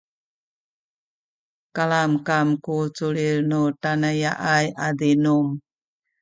kalamkam ku culil nu tanaya’ay a zinum